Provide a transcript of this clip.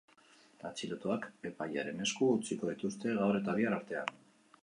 Atxilotuak epailearen esku utziko dituzte gaur eta bihar artean.